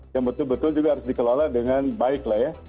yang betul betul juga harus dikelola dengan baik lah ya